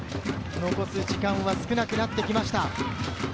残り時間は少なくなってきました。